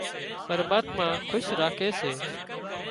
پرماتما کُش راکي سي